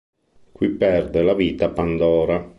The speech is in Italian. Qui perde la vita Pandora.